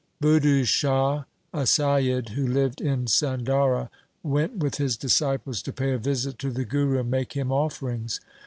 Budhu Shah, a Saiyid, who lived in Sadhaura, went with his disciples to pay a visit to the Guru and make him offerings.